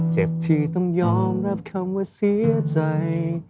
เจ็บที่ต้องยอมรับคำว่าเสียใจ